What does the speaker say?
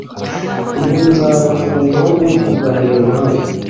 ubwo nzabona umwanya wo kuganira nawe.